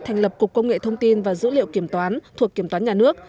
thành lập cục công nghệ thông tin và dữ liệu kiểm toán thuộc kiểm toán nhà nước